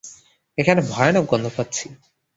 এখানে ভয়ানক গন্ধ পাচ্ছি।